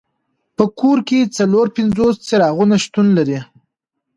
په کور کې څلور پنځوس څراغونه شتون لري.